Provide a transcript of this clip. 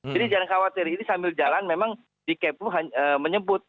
jadi jangan khawatir ini sambil jalan memang di kbup menyebut